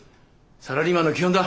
サラリーマンの基本だ。